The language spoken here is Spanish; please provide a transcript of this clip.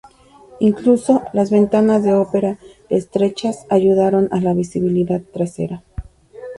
Incluso las ventanas de ópera estrechas ayudaron a la visibilidad trasera.